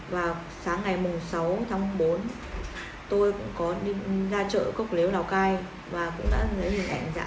và sáng ngày sáu tháng bốn tôi cũng có đi ra chợ cốc léo lào cai và cũng đã lấy hình ảnh giả